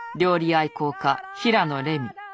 愛好家平野レミ。